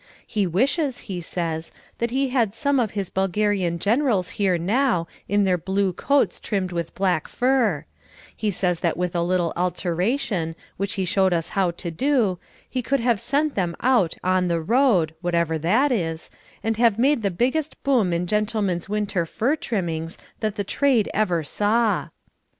He wishes, he says, that he had some of his Bulgarian generals here now in their blue coats trimmed with black fur; he says that with a little alteration, which he showed us how to do, he could have sent them out "on the road," wherever that is, and have made the biggest boom in gentlemen's winter fur trimmings that the trade ever saw.